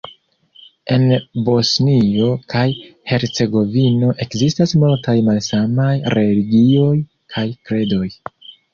En Bosnio kaj Hercegovino ekzistas multaj malsamaj religioj kaj kredoj.